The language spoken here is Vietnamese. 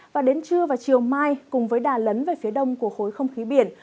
và đến trưa và chiều mai cùng với đà lấn về phía đông của khối không khí biển